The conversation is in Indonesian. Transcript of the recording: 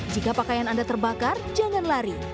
jika pakaian anda terbakar jangan lari